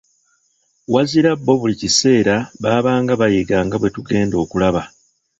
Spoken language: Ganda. Wazira bo buli kiseera baabanga bayiga nga bwe tugenda okulaba.